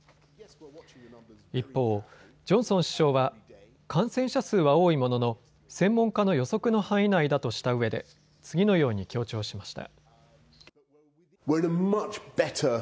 一方、ジョンソン首相は感染者数は多いものの専門家の予測の範囲内だとしたうえで次のように強調しました。